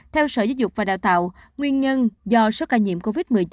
theo sở giáo dục và đào tạo nguyên nhân do số ca nhiễm covid một mươi chín